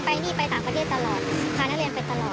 เขาไปทุกปีอยู่แล้วนะคะเขาไปตลอดอยู่แล้วไปนู่นไปนี่ไปต่างประเทศตลอด